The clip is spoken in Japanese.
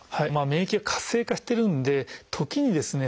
免疫が活性化してるんで時にですね